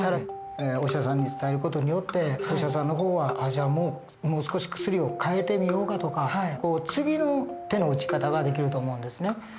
お医者さんに伝える事によってお医者さんの方は「じゃあもう少し薬を変えてみようか」とか次の手の打ち方ができると思うんですね。